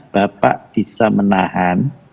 bapak bisa menahan